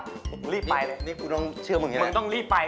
รีบไปเลยมึงต้องรีบไปเลยนะนี่นี่คุณต้องเชื่อมึงใช่ไหม